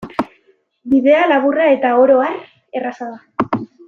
Bidea laburra eta oro har erraza da.